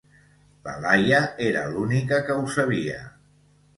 La Laia era l'ùnica que ho sabía